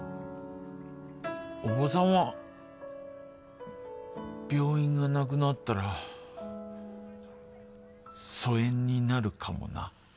伯母さんは病院がなくなったら疎遠になるかもな。